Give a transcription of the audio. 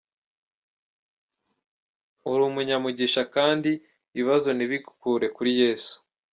Uri umunyamugisha kandi ibibazo ntibigukure kuri Yesu.